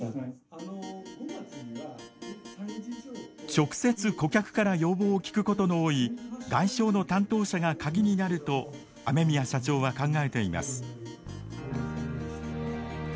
直接顧客から要望を聞くことの多い外商の担当者がカギになると雨宮社長は考えています。